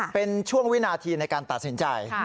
เป็นช่วงวินาทีในการตัดสินใจ